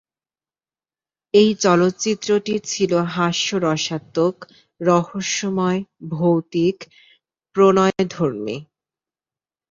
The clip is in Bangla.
এই চলচ্চিত্রটি ছিলো হাস্যরসাত্মক-রহস্যময়-ভৌতিক-প্রণয়ধর্মী।